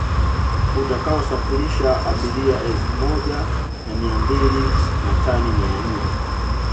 utakaosafirisha abiria elfu moja na mia mbili na tani mia nne